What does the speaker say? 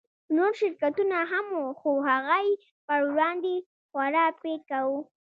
نور شرکتونه هم وو خو هغه يې پر وړاندې خورا پيکه وو.